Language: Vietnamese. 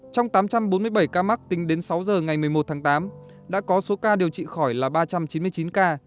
trong tám trăm bốn mươi bảy ca mắc tính đến sáu giờ ngày một mươi một tháng tám đã có số ca điều trị khỏi là ba trăm chín mươi chín ca